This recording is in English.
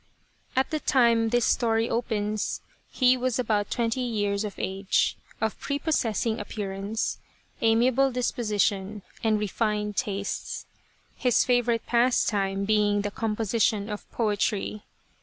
At the time this story opens he was about twenty years of age, of pre possessing appearance, amiable disposition, and re fined tastes, his favourite pastime being the composi tion of poetry.